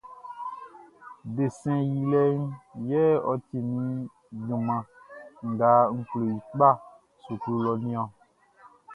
Desɛn yilɛʼn yɛ ɔ ti min junman nga n klo i kpa suklu lɔʼn niɔn.